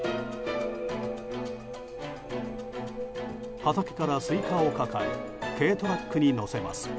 畑からスイカを抱え軽トラックに載せます。